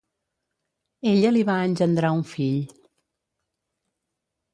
Ella li va engendrar un fill.